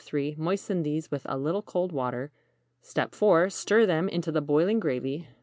Moisten these with a little cold water. 4. Stir them into the boiling gravy.